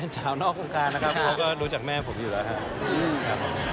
สาวนอกวงการนะครับเขาก็รู้จักแม่ผมอยู่แล้วครับ